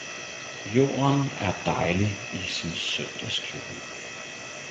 Jorden er dejlig i sin søndagskjole!